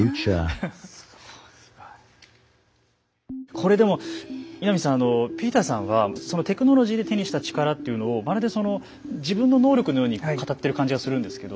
これでも稲見さんピーターさんはテクノロジーで手にした力っていうのをまるでその自分の能力のように語ってる感じがするんですけど。